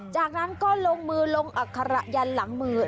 จากนั้นก็ลงมือลงอัคระยันหลังมือ